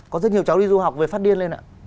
có rất nhiều cháu đi du học về phát điên lên ạ